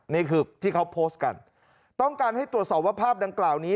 นี่คือที่เขาโพสต์กันต้องการให้ตรวจสอบว่าภาพดังกล่าวนี้